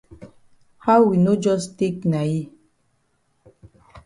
How we no jus take na yi?